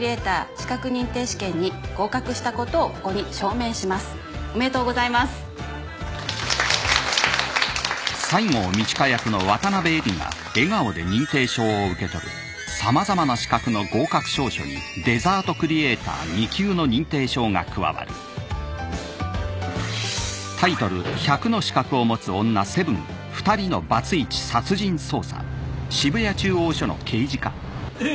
資格認定試験に合格したことをここに証明します」おめでとうございますええっ⁉